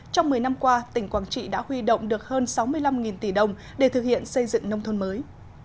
trong một mươi năm qua tỉnh quảng trị đã huy động được hơn sáu mươi năm tỷ đồng để thực hiện xây dựng nông thôn mới